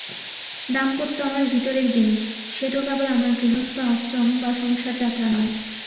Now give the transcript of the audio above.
দাম্পত্য আমার ভিতরের জিনিস, সে তো কেবল আমার গৃহস্থ-আশ্রম বা সংসারযাত্রা নয়।